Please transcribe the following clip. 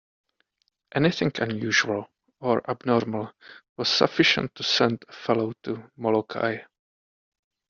Anything unusual or abnormal was sufficient to send a fellow to Molokai.